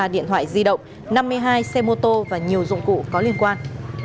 ba điện thoại di động năm mươi hai xe mô tô và nhiều dụng cụ có liên quan